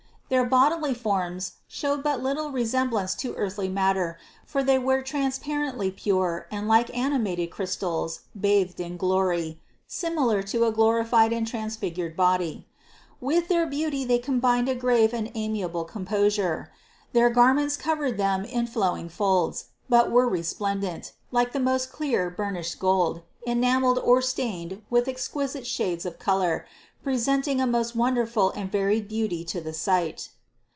Their bodily forms showed but little resemblance to earthly matter, for they were transpar ently pure and like animated crystals bathed in glory, similar to a glorified and transfigured body. With their THE CONCEPTION 293 beauty they combined a grave and amiable composure. Their garments covered them in flowing folds, but were resplendent, like the most clear burnished gold, enameled or stained with exquisite shades of color, presenting a most wonderful and varied beauty to the sight.